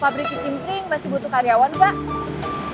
pabrik kicimping masih butuh karyawan mbak